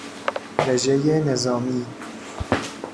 رژهی نظامی